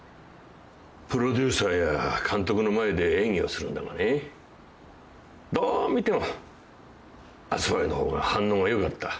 プロデューサーや監督の前で演技をするんだがねどう見ても熱護の方が反応がよかった。